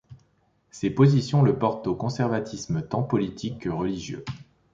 Ses positions le portent au conservatisme tant politique que religieux.